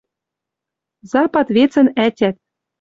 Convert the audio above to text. Запад вецӹн ӓтят